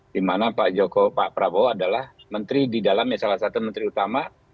dimana pak prabowo adalah menteri di dalam salah satu menteri utama